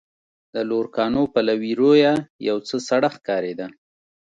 د لوکارنو پلوي رویه یو څه سړه ښکارېده.